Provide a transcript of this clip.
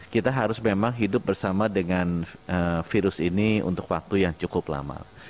kita harus memang hidup bersama dengan virus ini untuk waktu yang cukup lama